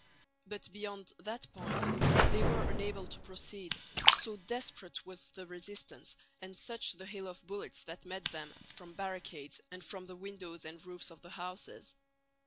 But beyond that point they were unable to proceed, so desperate was the resistance, and such the hail of bullets that met them from barricades and from the windows and roofs of the houses.